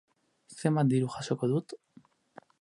Zenbat diru jasoko dut?